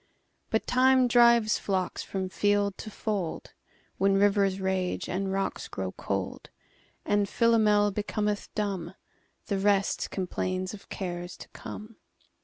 But Time drives flocks from field to fold; When rivers rage and rocks grow cold; And Philomel becometh dumb; The rest complains of cares to come.